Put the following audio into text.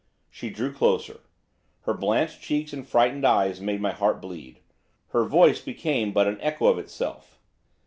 She drew closer. Her blanched cheeks and frightened eyes made my heart bleed. Her voice became but an echo of itself.